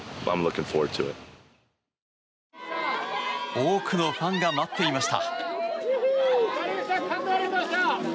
多くのファンが待っていました。